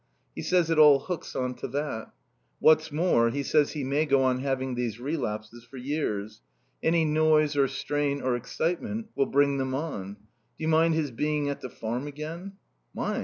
He says it all hooks on to that. What's more, he says he may go on having these relapses for years. Any noise or strain or excitement'll bring them on. Do you mind his being at the Farm again?" "Mind?